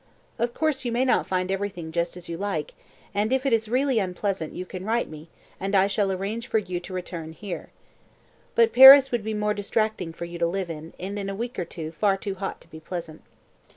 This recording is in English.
Of course, you may not find everything just as you like it, and if it is really unpleasant, you can write me, and I shall arrange for you to return here. But Paris would be more distracting for you to live in, and in a week or two far too hot to be pleasant.